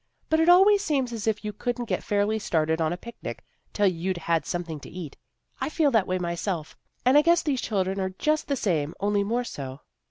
" But it always seems as if you couldn't get fairly started on a picnic, till you'd had something to eat. I feel that way myself and I guess these children are just the same only more so."